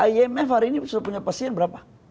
imf hari ini sudah punya pasien berapa